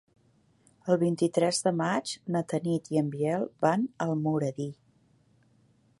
El vint-i-tres de maig na Tanit i en Biel van a Almoradí.